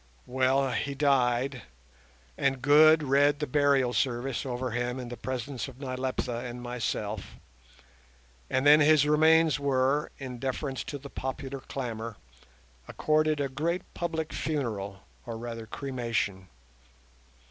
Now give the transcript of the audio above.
Well, he died, and Good read the Burial Service over him in the presence of Nyleptha and myself; and then his remains were, in deference to the popular clamour, accorded a great public funeral, or rather cremation.